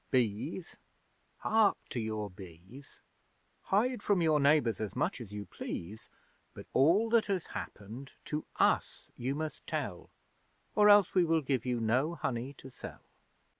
Bees! Hark to your bees! 'Hide from your neighbours as much as you please, But all that has happened, to us you must tell, Or else we will give you no honey to sell!'